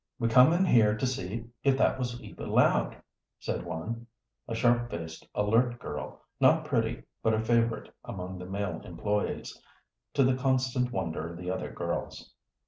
"We come in here to see if that was Eva Loud," said one, a sharp faced, alert girl, not pretty, but a favorite among the male employés, to the constant wonder of the other girls.